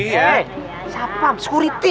hei siapa sekuriti